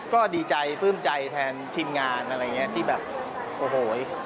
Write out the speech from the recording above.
ก็ดีใจปลื้มใจแทนทีมงานอะไรอย่างนี้ที่แบบโอ้โห